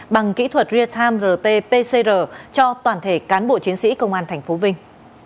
bằng kỹ thuật real time rt pcr cho toàn thể cán bộ chiến sĩ công an tp vinh